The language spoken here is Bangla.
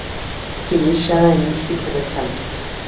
তিনি সেরা ইনিংসটি খেলেছেন।